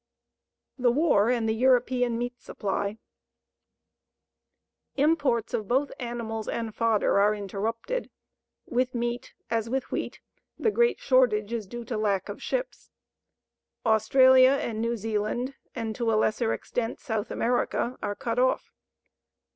THE WAR AND THE EUROPEAN MEAT SUPPLY Imports of both animals and fodder are interrupted. With meat as with wheat, the great shortage is due to lack of ships. Australia and New Zealand, and to a lesser extent South America, are cut off.